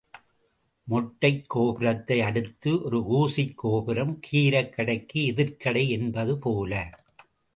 மொட்டைக் கோபுரத்தை அடுத்து ஒரு ஊசிக் கோபுரம், கீரைக் கடைக்கு எதிர்க்கடை என்பது போல.